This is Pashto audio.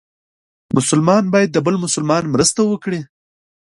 مسلمان باید د بل مسلمان مرسته وکړي.